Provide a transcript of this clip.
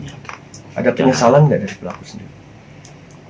ada penyesalan nggak dari pelaku sendiri